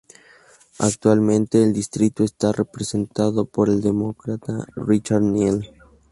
Actualmente el distrito está representado por el Demócrata Richard Neal.